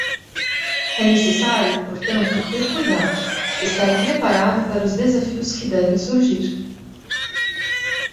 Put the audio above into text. É necessário, portanto, ter cuidado, estar preparado para os desafios que devem surgir.